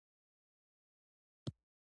د کندهار په پنجوايي کې د سمنټو مواد شته.